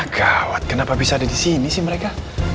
gawat kenapa bisa ada di sini sih mereka